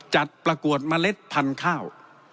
ประกวดเมล็ดพันธุ์ข้าว